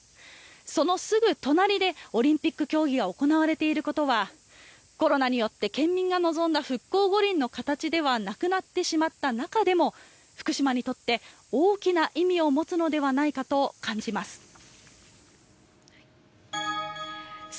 そのすぐ隣でオリンピック競技が行われていることはコロナによって県民が望んだ復興五輪の形ではなくなってしまった中でも福島にとって大きな意味を持つのではないかと感じます。